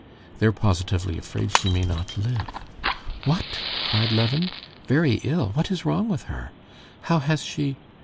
They're positively afraid she may not live." "What!" cried Levin. "Very ill? What is wrong with her? How has she...?"